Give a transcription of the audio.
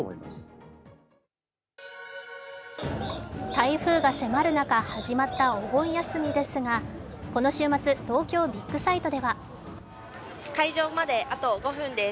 台風が迫る中始まったお盆休みですがこの週末東京ビッグサイトでは開場まであと５分です。